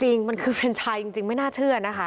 จริงมันคือเฟรนชายจริงไม่น่าเชื่อนะคะ